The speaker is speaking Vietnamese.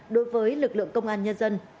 đối với lực lượng công an nhân dân